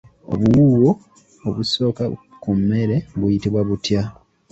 Obuwuuwo obusooka ku mmere buyitibwa butya?